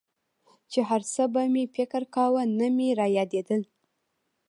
چې هرڅه به مې فکر کاوه نه مې رايادېدل.